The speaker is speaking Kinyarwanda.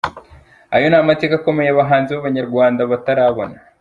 Ayo ni amateka akomeye abahanzi b’abanyarwanda batarabona.